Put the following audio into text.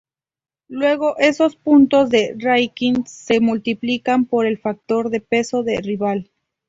Luego, esos puntos de ranking se multiplican por el factor de peso del rival.